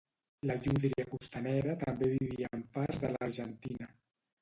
La llúdria costanera també vivia en parts de l'Argentina.